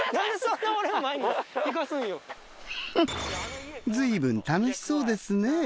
フッ随分楽しそうですね。